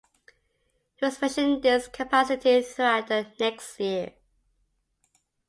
He was mentioned in this capacity throughout the next year.